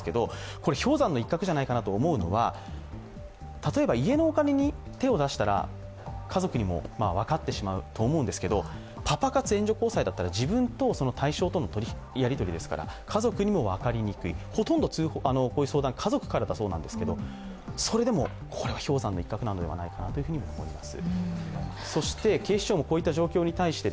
例えば家のお金に手を出したら家族にも分かってしまうと思うんですけど、パパ活、援助交際だったら、自分と対象とのやり取りですから家族にも分かりにくい、ほとんどこういう相談、家族からだそうなんですけど、それでも、これは氷山の一角なのではないかなと思います。